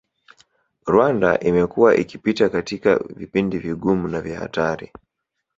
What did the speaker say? Rwanda imekuwa ikipita katika vipindi vigumu na vya hatari